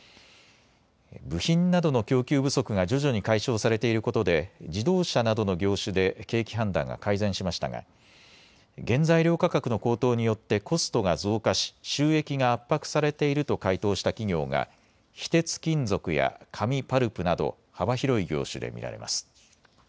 部品などの供給不足が徐々に解消されていることで自動車などの業種で景気判断が改善しましたが原材料価格の高騰によってコストが増加し収益が圧迫されていると回答した企業が非鉄金属や紙・パルプなど幅広い業種で見られます。